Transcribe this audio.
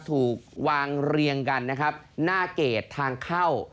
ถูกวางเรียงกันนะครับหน้าเกรดทางเข้า